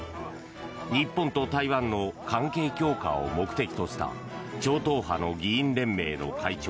日本と台湾の関係強化を目的とした超党派の議員連盟の会長